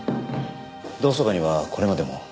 同窓会にはこれまでも？